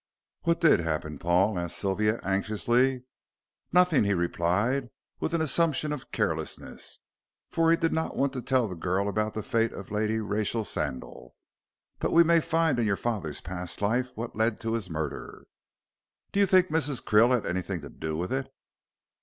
"What did happen, Paul?" asked Sylvia, anxiously. "Nothing," he replied with an assumption of carelessness, for he did not want to tell the girl about the fate of Lady Rachel Sandal, "but we may find in your father's past life what led to his murder." "Do you think Mrs. Krill had anything to do with it?"